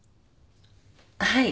はい。